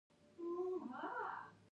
دوکاندار خپل سامان له پامه نه غورځوي.